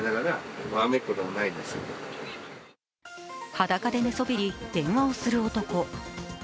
裸で寝そべり、電話をする男。